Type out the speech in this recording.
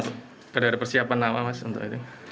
sudah ada persiapan nama mas untuk ini